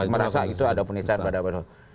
merasa itu ada penistaan pada